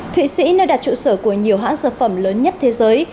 thụy sĩ nơi đặt trụ sở của nhiều hãng dược phẩm lớn nhất thế giới